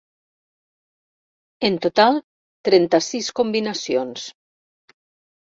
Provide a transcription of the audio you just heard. En total trenta-sis combinacions.